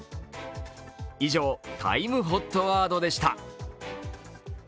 以上、「ＴＩＭＥＨＯＴワード」でした。